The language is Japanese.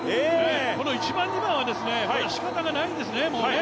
この１番、２番はもう、しかたがないんですね。